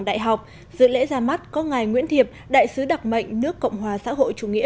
đại học dự lễ ra mắt có ngài nguyễn thiệp đại sứ đặc mệnh nước cộng hòa xã hội chủ nghĩa